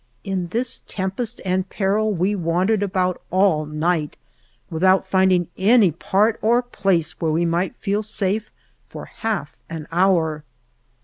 In this tempest and peril we wandered about all night, without finding any part or place where we might feel safe for half an hour.